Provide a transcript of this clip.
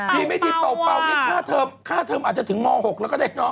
เปลี่ยนไม่ดีเป่านี่ค่าเทอมอาจจะถึงม๖แล้วก็ได้เนอะ